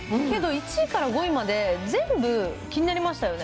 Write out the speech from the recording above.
けど、１位から５位まで全部、気になりました